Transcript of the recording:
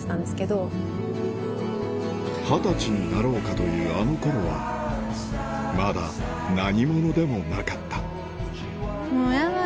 二十歳になろうかというあの頃はまだ何者でもなかったもうヤダ。